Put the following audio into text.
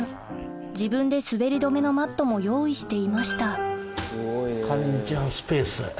自分で滑り止めのマットも用意していましたかりんちゃんスペース。